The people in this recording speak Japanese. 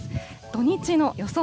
土日の予想